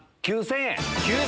９０００円。